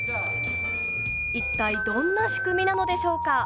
一体どんな仕組みなのでしょうか？